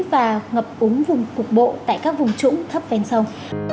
và ngập úng vùng cục bộ tại các vùng trũng thấp ven sông